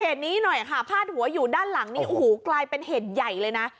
นี้หน่อยค่ะพาดหัวอยู่ด้านหลังนี้โอ้โหกลายเป็นเหตุใหญ่เลยนะ